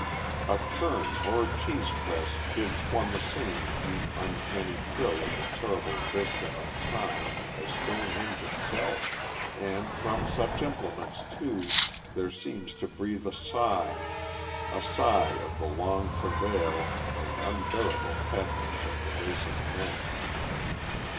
A churn or a cheese press gives one the same deep, uncanny thrill of the terrible vista of time as Stonehenge itself; and from such implements, too, there seems to breathe a sigh a sigh of the long travail and unbearable pathos of the race of men.